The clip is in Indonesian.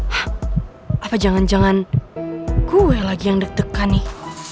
hah apa jangan jangan gue lagi yang deg degan nih